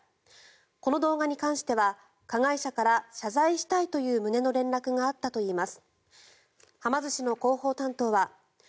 この動画に関しては加害者から謝罪したいという旨の連絡があったということです。